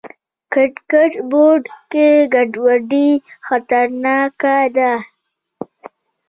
کرکټ بورډ کې ګډوډي خطرناکه ده.